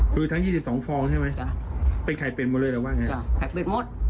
คือทั้งยี่สิบสองทองใช่ไหมจ้ะเป็นไข่เป็นหมดเลยแหละว่าไงครับจ้ะไข่เป็นหมด